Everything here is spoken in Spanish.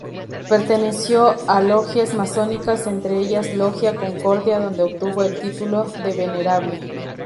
Perteneció a logias masónicas entre ellas Logia Concordia donde obtuvo el título de Venerable.